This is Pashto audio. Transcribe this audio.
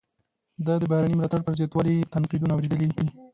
ده د بهرني ملاتړ پر زیاتوالي تنقیدونه اوریدلي.